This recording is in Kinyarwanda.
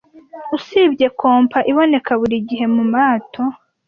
Usibye compas iboneka buri gihe mumato